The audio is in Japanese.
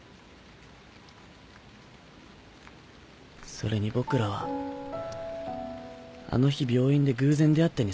それに僕らはあの日病院で偶然出会ったにすぎないだろ。